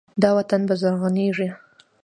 دا وطن به زرغونیږي.